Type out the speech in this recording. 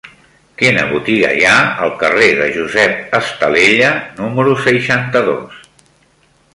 Quina botiga hi ha al carrer de Josep Estalella número seixanta-dos?